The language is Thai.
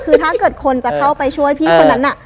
คือถ้าเกิดคนจะเข้าไปช่วยพี่คนนั้นน่ะ